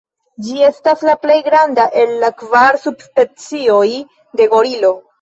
Ĝi estas la plej granda el la kvar subspecioj de gorilo.